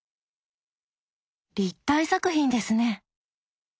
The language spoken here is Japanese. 立体作品ですね。